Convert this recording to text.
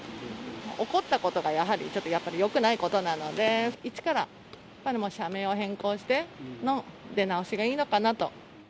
起こったことがやはりよくないことなので、一から社名を変更しての出直しがいいのかなと。